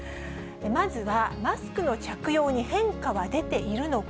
まずは、マスクの着用に変化は出ているのか。